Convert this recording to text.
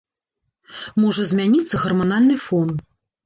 Можа змяніцца гарманальны фон.